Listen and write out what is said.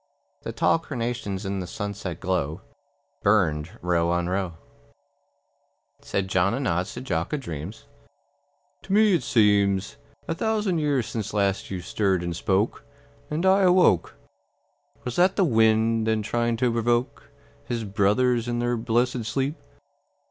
The tall carnations in the sunset glow Burned row on row. Said John a nods to Jock a dreams, "To me it seems A thousand years since last you stirred and spoke, And I awoke. Was that the wind then trying to provoke His brothers in their blessed sleep?"